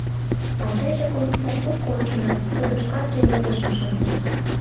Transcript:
«А тыйже «комиссар» кушко онченат?» — тудо шканже йодышым шындыш.